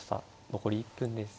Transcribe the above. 残り１分です。